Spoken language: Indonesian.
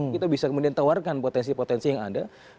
kita bisa kemudian tawarkan potensi potensi yang ada